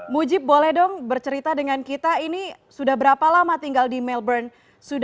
mujib boleh dong bercerita dengan kita ini sudah berapa lama tinggal di melbourne